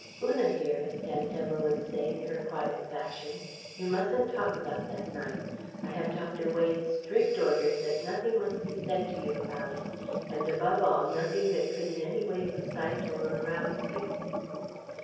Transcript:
"Una, dearest," Aunt Emma would say, in her quiet fashion, "you mustn't talk about that night. I have Dr. Wade's strict orders that nothing must be said to you about it, and above all nothing that could in any way excite or arouse you."